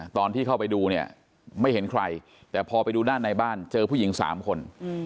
ตอนที่เข้าไปดูเนี่ยไม่เห็นใครแต่พอไปดูด้านในบ้านเจอผู้หญิง๓คน